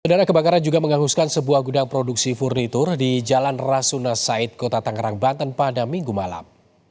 udara kebakaran juga menghanguskan sebuah gudang produksi furnitur di jalan rasuna said kota tangerang banten pada minggu malam